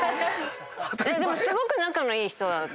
すごく仲のいい人だった。